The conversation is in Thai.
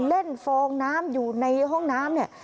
เล่นฟองน้ำอยู่ในห้องน้ำนี่